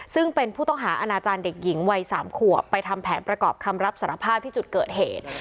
ซึ่งเป็นผู้ต้องหาอาณาจารย์เด็กหญิงวัย๓ขวบไปทำแผนประกอบคำรับสารภาพที่จุดเกิดเหตุ